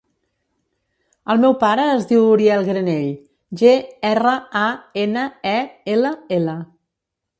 El meu pare es diu Uriel Granell: ge, erra, a, ena, e, ela, ela.